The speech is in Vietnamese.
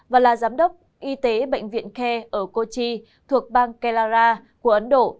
và là giám đốc y tế bệnh viện care ở kochi thuộc bang kelara của ấn độ